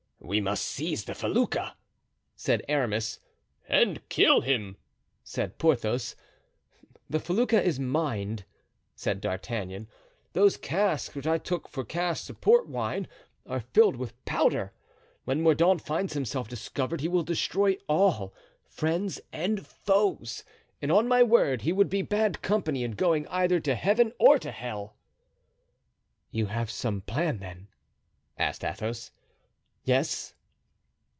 "We must seize the felucca," said Aramis. "And kill him," said Porthos. "The felucca is mined," said D'Artagnan. "Those casks which I took for casks of port wine are filled with powder. When Mordaunt finds himself discovered he will destroy all, friends and foes; and on my word he would be bad company in going either to Heaven or to hell." "You have some plan, then?" asked Athos. "Yes."